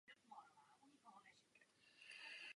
Postupem času se z nich stanou milenci.